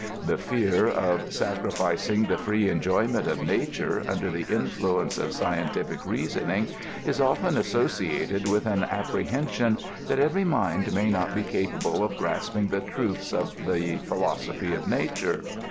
The fear of sacri ficing the free enjoyment of nature, under the influ^Hice of sci entific reasoning, is often associated with an apprehension that every mind may not be capable of grasping the truths of the plnlosophy of nature.